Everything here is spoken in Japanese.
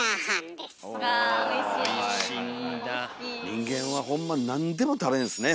人間はほんま何でも食べるんすね